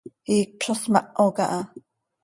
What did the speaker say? Iicp zo smaho caha.